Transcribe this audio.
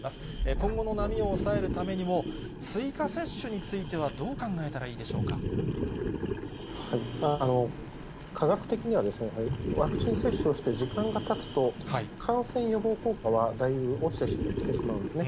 今後の波を抑えるためにも、追加接種についてはどう考えたら科学的にはワクチン接種をして時間がたつと、感染予防効果はだいぶ落ちてきてしまうんですね。